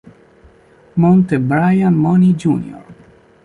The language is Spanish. Monte Bryan Money Jr.